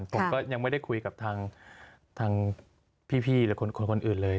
ผมก็ยังไม่ได้คุยกับทางพี่หรือคนอื่นเลย